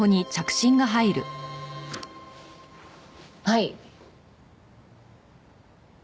はい。